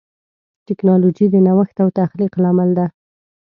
ټکنالوجي د نوښت او تخلیق لامل ده.